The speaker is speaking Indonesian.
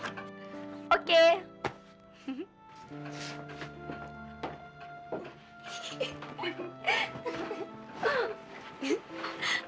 aku ada kerjaan